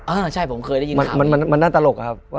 อ้าวใช่ผมเคยได้ยินคำนี้มันน่าตลกครับ